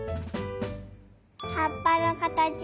はっぱのかたちのぱん。